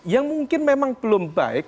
yang mungkin memang belum baik